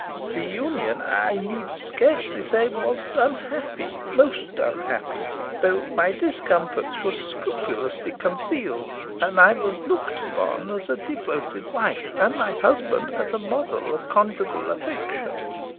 The union I need scarcely say was unhappy most unhappy though my discomforts were scrupulously concealed, and I was looked upon as a devoted wife, and my husband as a model of conjugal affection.